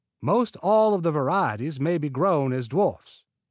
Most all the varieties may be grown as dwarfs.